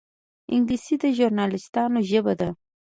انګلیسي د ژورنالېستانو ژبه ده